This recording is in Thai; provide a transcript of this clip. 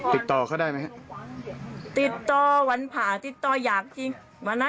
ติดต่อเขาได้มั้ยติดต่อวันผักติดต่ออยากที่มานะ